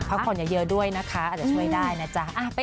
พักผ่อนเยอะด้วยนะคะอาจจะช่วยได้นะจ๊ะ